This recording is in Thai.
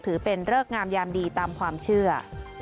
ถือเป็นเริกงามยามดีตามความเชื่อ